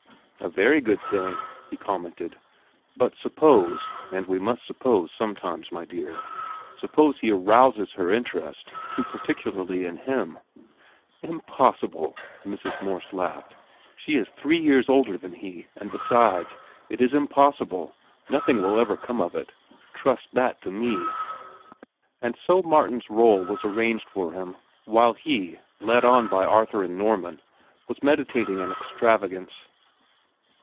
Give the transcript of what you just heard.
"A very good thing," he commented. "But suppose,—and we must suppose, sometimes, my dear,—suppose he arouses her interest too particularly in him?" "Impossible," Mrs. Morse laughed. "She is three years older than he, and, besides, it is impossible. Nothing will ever come of it. Trust that to me." And so Martin's rôle was arranged for him, while he, led on by Arthur and Norman, was meditating an extravagance.